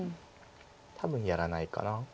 多分やらないかな。